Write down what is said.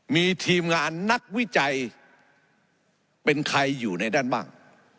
มีทีมงานนักวิจัยเป็นใครอยู่ในด้านบ้าง